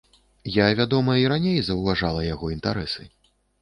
Я, вядома, і раней заўважала яго інтарэсы.